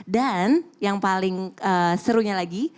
dan yang paling serunya lagi